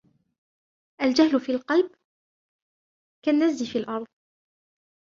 الْجَهْلُ فِي الْقَلْبِ كَالنَّزِّ فِي الْأَرْضِ